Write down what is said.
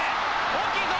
大きいぞ！